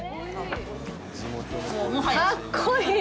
かっこいい！